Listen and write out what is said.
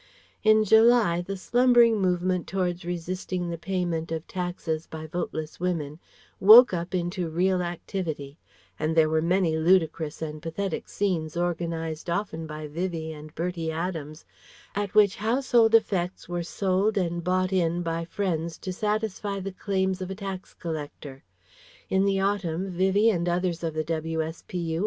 In July the slumbering movement towards resisting the payment of taxes by vote less women woke up into real activity, and there were many ludicrous and pathetic scenes organized often by Vivie and Bertie Adams at which household effects were sold and bought in by friends to satisfy the claims of a tax collector. In the autumn Vivie and others of the W.S.P.